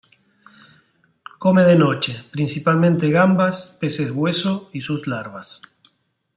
Come de noche principalmente gambas, peces hueso y sus larvas.